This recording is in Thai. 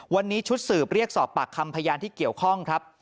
วันนี้ชุดสืบเรียกสอบปากคำพยานที่เกี่ยวข้องครับ